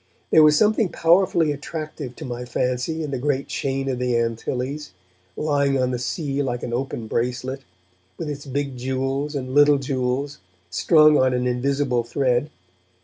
There was something powerfully attractive to my fancy in the great chain of the Antilles, lying on the sea like an open bracelet, with its big jewels and little jewels strung on an invisible thread.